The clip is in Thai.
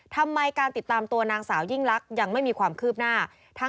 ทำไมการติดตามตัวนางสาวยิ่งลักษณ์ยังไม่มีความคืบหน้า